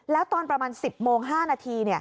แล้วตอนประมาณ๑๐โมง๕นาที